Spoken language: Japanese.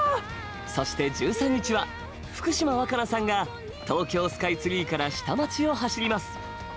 そして１３日は福島和可菜さんが東京スカイツリーから下町を走ります。